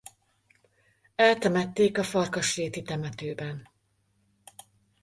Eltemették a farkasréti temetőben.